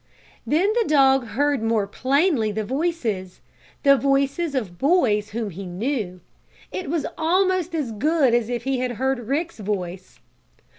Then the dog heard more plainly the voices the voices of boys whom he knew. It was almost as good as if he had heard Rick's voice.